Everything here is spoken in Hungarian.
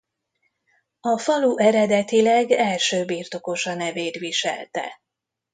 A falu eredetileg első birtokosa nevét viselte.